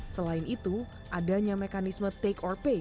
selain itu adanya mekanisme take or pay